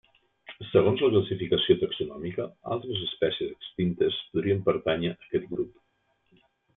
Segons la classificació taxonòmica, altres espècies extintes podrien pertànyer a aquest grup.